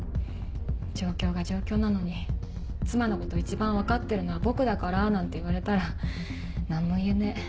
状況が状況なのに「妻のこと一番分かってるのは僕だから」なんて言われたら何も言えねえ。